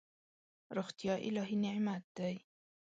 روغتیا الهي نعمت دی.